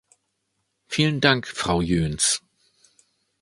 Vielen Dank, Frau Jöns.